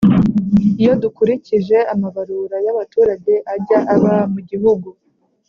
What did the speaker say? iyo dukurikije amabarura y'abaturage ajya aba mu gihugu,